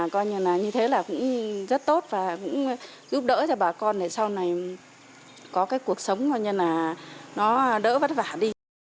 coi như là như thế là cũng rất tốt và cũng giúp đỡ cho bà con để sau này có cái cuộc sống coi như là nó đỡ vất vả đi